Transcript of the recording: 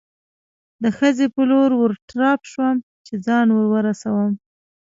د خزې په لور په تراټ شوم، چې ځان ور ورسوم.